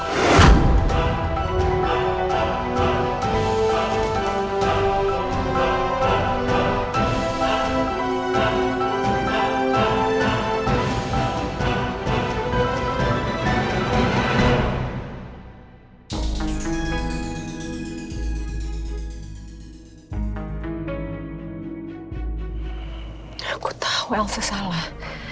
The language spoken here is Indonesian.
aku tau elsa salah